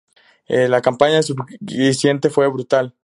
La campaña subsiguiente fue brutal.